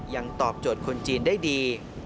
ตอบโจทย์คนจีนได้ดี